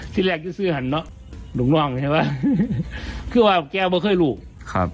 ทีแรกก็ซื้อหันเนาะดุงนอกใช่ปะคือว่าแกไม่เคยลูกครับ